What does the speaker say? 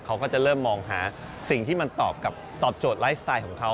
เขาก็จะเริ่มมองหาสิ่งที่มันตอบโจทย์ไลฟ์สไตล์ของเขา